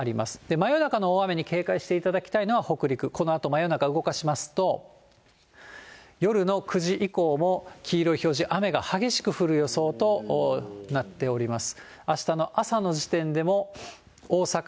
真夜中の大雨に警戒していただきたいのは北陸、このあと真夜中動かしますと、夜の９時以降も、黄色い表示、雨が激しく降る予想となっております。